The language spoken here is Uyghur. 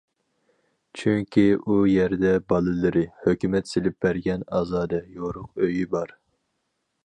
چۈنكى ئۇ يەردە بالىلىرى، ھۆكۈمەت سېلىپ بەرگەن ئازادە يورۇق ئۆيى بار.